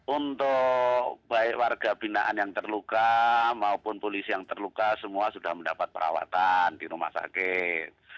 untuk baik warga binaan yang terluka maupun polisi yang terluka semua sudah mendapat perawatan di rumah sakit